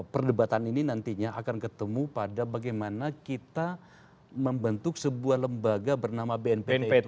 perdebatan ini nantinya akan ketemu pada bagaimana kita membentuk sebuah lembaga bernama bnpt itu